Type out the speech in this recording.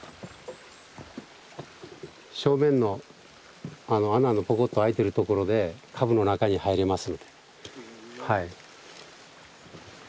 正面の穴のポコッと開いてるところで株の中に入れます。